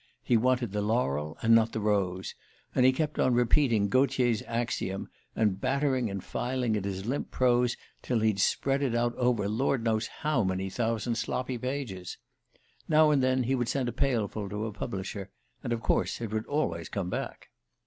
He wanted the laurel and not the rose, and he kept on repeating Gautier's axiom, and battering and filing at his limp prose till he'd spread it out over Lord knows how many thousand sloppy pages. Now and then he would send a pailful to a publisher, and of course it would always come back.